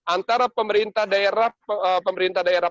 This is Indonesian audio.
antara pemerintah daerah